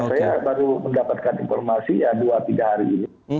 saya baru mendapatkan informasi ya dua tiga hari ini